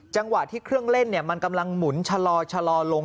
จังหวะที่เครื่องเล่นมันกำลังหมุนชะลอลง